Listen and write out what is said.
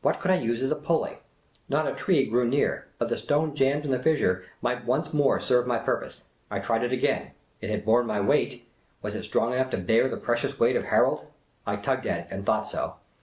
What could I use as a pulley ? Not a tree grew near ; but the stone jammed in the fissure might once more serve my purpose. I tried it again. It had borne my weight ; The Impromptu Mountaineer 141 was it strong enough to bear the precious weight of Harold ? I tugged at it, and thought so.